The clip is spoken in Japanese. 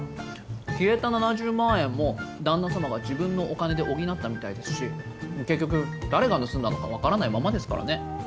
消えた７０万円も旦那様が自分のお金で補ったみたいですし結局誰が盗んだのかわからないままですからね。